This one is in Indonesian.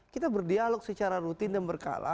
kita berdialog secara rutin dan berkala